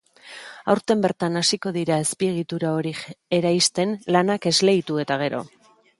Aurten bertan hasiko dira azpiegitura hori eraisten, lanak esleitu eta gero.